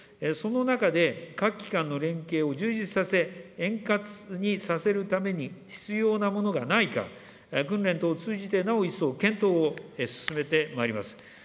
その中で、各機関の連携を充実させ、円滑にさせるために必要なものがないか、訓練等を通じて、なお一層、検討を進めてまいります。